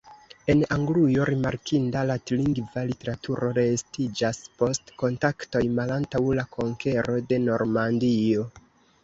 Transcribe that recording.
En Anglujo rimarkinda latinlingva literaturo reestiĝas post kontaktoj malantaŭ la konkero de Normandio.